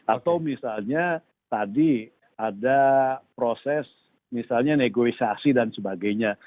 atau misalnya tadi ada proses misalnya negosiasi dan sebagainya